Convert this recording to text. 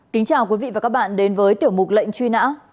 kính chào quý vị và các bạn đến với tiểu mục lệnh truy nã